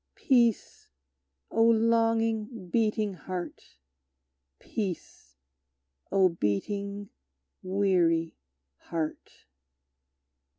Peace, O longing, beating heart! Peace, O beating, weary heart!